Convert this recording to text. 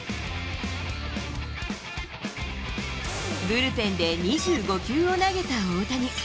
ブルペンで２５球を投げた大谷。